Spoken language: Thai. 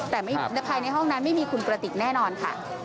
แต่ภายในห้องนั้นไม่มีคุณกระติกแน่นอนค่ะ